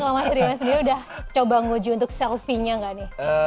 kalau mas rimas sendiri sudah coba nguju untuk selfie nya enggak nih